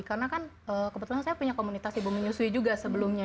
karena kan kebetulan saya punya komunitas ibu menyusui juga sebelumnya